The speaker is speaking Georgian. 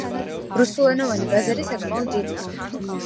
რუსულენოვანი ბაზარი საკმაოდ დიდია.